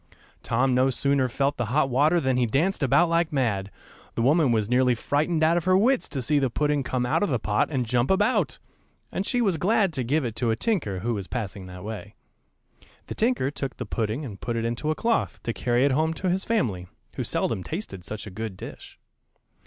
Tom no sooner felt the hot water than he danced about like mad; the woman was nearly frightened out of her wits to see the pudding come out of the pot and jump about, and she was glad to give it to a tinker who was passing that way. The tinker took the pudding and put it into a cloth, to carry it home to his family, who seldom tasted such a good dish.